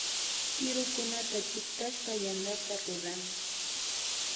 Kirukunata chiktashpa yantata rurana